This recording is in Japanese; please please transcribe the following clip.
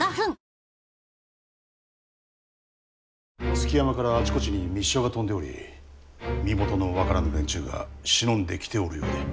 築山からあちこちに密書が飛んでおり身元の分からぬ連中が忍んできておるようで。